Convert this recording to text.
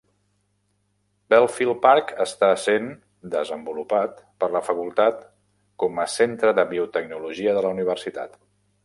Belfield Park està essent desenvolupat per la facultat com a Centre de Biotecnologia de la Universitat.